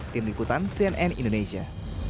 tim liputan cnn indonesia